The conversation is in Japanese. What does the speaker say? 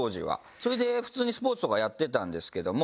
それで普通にスポーツとかやってたんですけども。